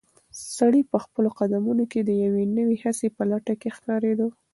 سړی په خپلو قدمونو کې د یوې نوې هڅې په لټه کې ښکارېده.